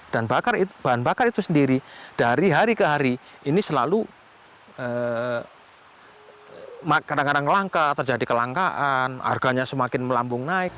dan bahan bakar itu sendiri dari hari ke hari ini selalu kadang kadang terjadi kelangkaan harganya semakin melambung naik